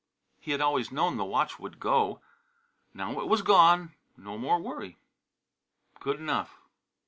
He had always known the watch would go. Now it was gone, no more worry. Good enough!